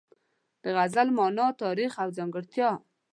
د غزل مانا، تاریخ او ځانګړتیا